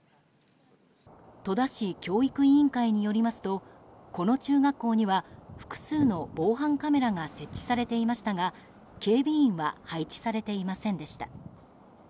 戸田市教育委員会によりますとこの中学校には複数の防犯カメラが設置されていましたが警備員は配置されていませんでした。